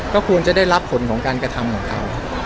ก็ควรจะได้รับผลของการกระทำของเขา